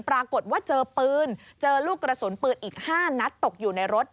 ปรากฏว่าเจอปืนเจอลูกกระสุนปืนอีก๕นัดตกอยู่ในรถ